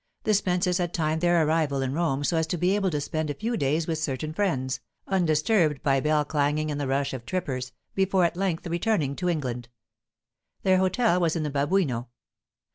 The Spences had timed their arrival in Rome so as to be able to spend a few days with certain friends, undisturbed by bell clanging and the rush of trippers, before at length returning to England. Their hotel was in the Babuino.